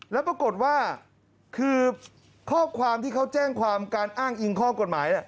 แล้วปรากฏว่าคือข้อความที่เขาแจ้งความการอ้างอิงข้อกฎหมาย